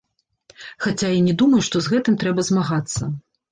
Хаця я не думаю, што з гэтым трэба змагацца.